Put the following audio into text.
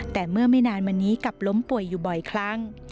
แต่เมื่อไม่นานมานี้กลับล้มป่วยอยู่บ่อยครั้ง